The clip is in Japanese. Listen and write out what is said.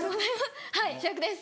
はい主役です。